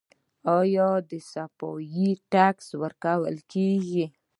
آیا د صفايي ټکس ورکول کیږي؟